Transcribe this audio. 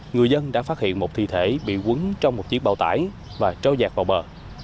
người dân đã phát hiện một thi thể bị quấn trong một chiếc bào tải và trâu giạt vào bờ